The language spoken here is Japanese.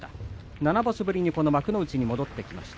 ７場所ぶりに幕内に戻ってきました。